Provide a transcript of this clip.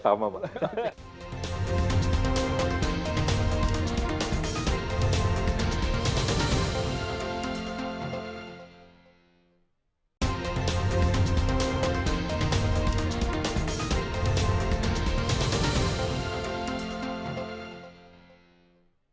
dalam beberapa kali pil